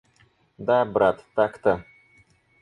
Да, брат, так-то!